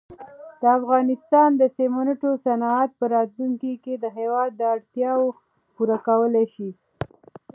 د افغانستان د سېمنټو صنعت په راتلونکي کې د هېواد اړتیاوې پوره کولای شي.